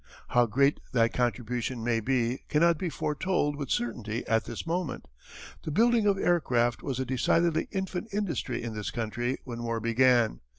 How great that contribution may be cannot be foretold with certainty at this moment. The building of aircraft was a decidedly infant industry in this country when war began.